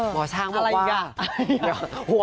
หมอช้างบอกว่า